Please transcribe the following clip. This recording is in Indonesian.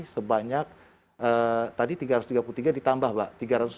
sebanyak tadi tiga ratus tiga puluh tiga ditambah mbak tiga ratus delapan puluh satu